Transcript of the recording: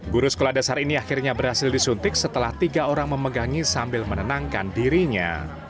guru sekolah dasar ini akhirnya berhasil disuntik setelah tiga orang memegangi sambil menenangkan dirinya